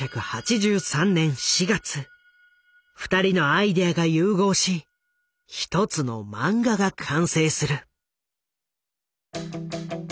２人のアイデアが融合し一つの漫画が完成する。